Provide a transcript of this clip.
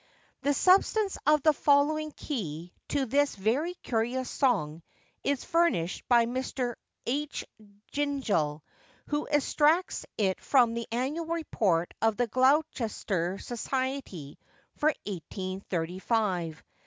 The substance of the following key to this very curious song is furnished by Mr. H. Gingell, who extracts it from the Annual Report of the Gloucestershire Society for 1835.